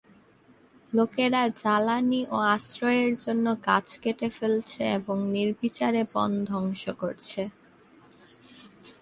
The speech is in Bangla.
লোকেরা জ্বালানী ও আশ্রয়ের জন্য গাছ কেটে ফেলছে এবং নির্বিচারে বন ধ্বংস করছে।